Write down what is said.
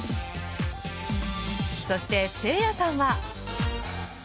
そしてせいやさんは。